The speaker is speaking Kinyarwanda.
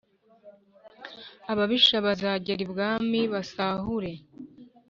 ababisha bazagera ibwami basahure